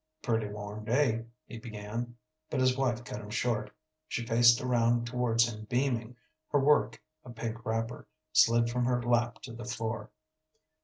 "Pretty warm day," he began, but his wife cut him short. She faced around towards him beaming, her work a pink wrapper slid from her lap to the floor.